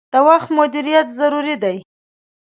د وخت مدیریت ضروری دي.